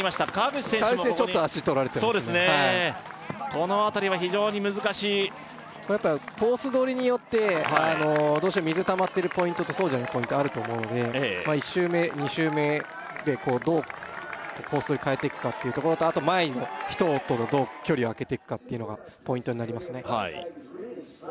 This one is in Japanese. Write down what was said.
この辺りは非常に難しいやっぱコース取りによってどうしても水たまってるポイントとそうじゃないポイントあると思うのでまっ１周目２周目でどうコース取り変えていくかっていうところとあと前の人とのどう距離をあけてくかっていうのがポイントになりますね